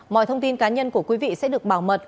mọi thông tin cá nhân của quý vị sẽ được bảo mật